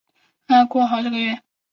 让她哭了好几个月